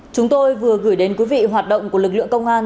chúng tôi vừa gửi đến quý vị hoạt động của lực lượng công an